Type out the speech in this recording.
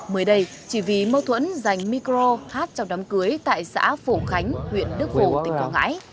mới đây chỉ vì mâu thuẫn giành micro hát trong đám cưới tại xã phổ khánh huyện đức phổ tỉnh quảng ngãi